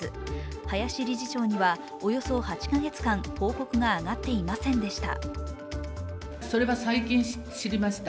林理事長にはおよそ８か月間、報告が上がっていませんでした。